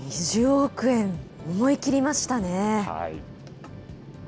２０億円、思い切りましたね。